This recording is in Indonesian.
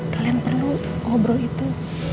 kalian perlu ngobrol itu